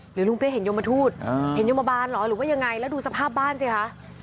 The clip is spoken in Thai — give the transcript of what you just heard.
ลุงเปี๊ยเห็นยมทูตเห็นยมบาลเหรอหรือว่ายังไงแล้วดูสภาพบ้านสิคะ